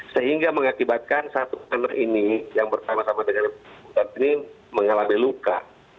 sehingga mengakibatkan satu pener ini yang bertama sama dengan pener ini mengalami luka